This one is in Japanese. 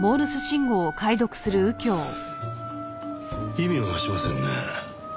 意味をなしませんね。